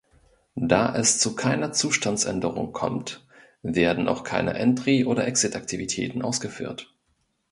Da es zu keiner Zustandsänderung kommt, werden auch keine entry- oder exit-Aktivitäten ausgeführt.